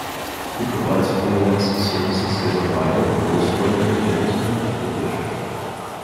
He provides freelance services as a writer, ghost-writer, editor and publisher.